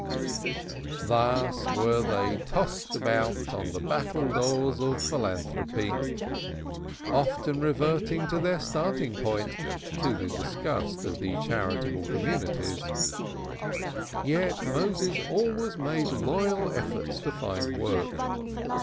Thus were they tossed about on the battledores of philanthropy, often reverting to their starting point, to the disgust of the charitable committees. Yet Moses always made loyal efforts to find work.